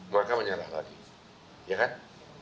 maka menyalah lagi ya kan